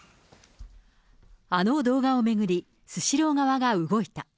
あの動画を巡り、スシロー側が動いた。